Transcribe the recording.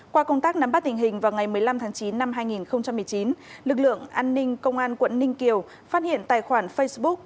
qua công tác nắm bắt tình hình vào ngày một mươi năm tháng chín năm hai nghìn một mươi chín lực lượng an ninh công an quận ninh kiều phát hiện tài khoản facebook